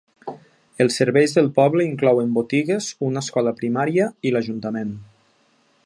Els serveis del poble inclouen botigues, una escola primària i l'ajuntament.